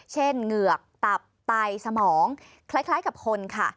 เหงือกตับไตสมองคล้ายกับคนค่ะ